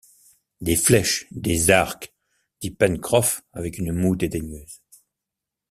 Des flèches, des arcs! dit Pencroff avec une moue dédaigneuse.